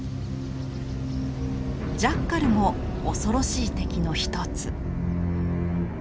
ジャッカルも恐ろしい敵の一つ。